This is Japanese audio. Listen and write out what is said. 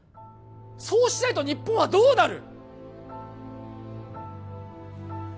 そうしないと日本はどうなる？